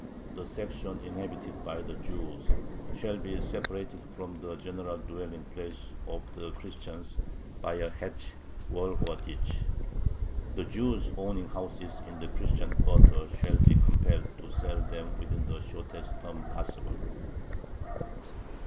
The section inhabited by Jews shall be separated from the general dwelling place of the Christians by a hedge, wall, or ditch. The Jews owning houses in the Christian quarter shall be compelled to sell them within the shortest term possible.